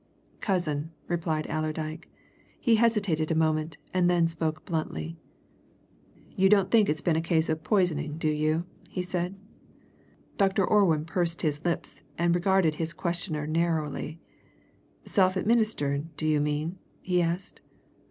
"Cousin," replied Allerdyke. He hesitated a moment, and then spoke bluntly. "You don't think it's been a case of poisoning, do you?" he said. Dr. Orwin pursed his lips and regarded his questioner narrowly. "Self administered, do you mean?" he asked.